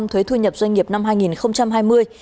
thuế thu nhập doanh nghiệp năm hai nghìn hai mươi